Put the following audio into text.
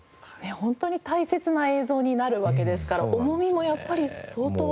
本当に大切な映像になるわけですから重みもやっぱり相当。